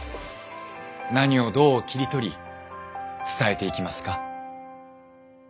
何をどう切り取り伝えていきますか？